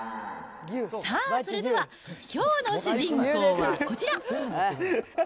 さあ、それではきょうの主人公はこちら。